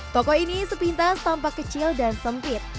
toko ini sepintas tampak kecil dan sempit